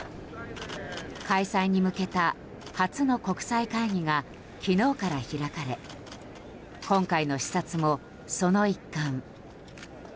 開催に向けた初の国際会議が昨日から開かれ今回の視察もその一環。